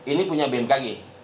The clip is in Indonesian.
ini punya bmkg